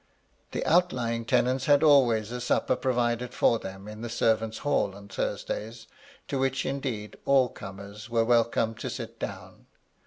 The outlying tenants had always a supper provided for them in the servants' hall on Thursdays, to which, indeed, all comers were welcome to sit down.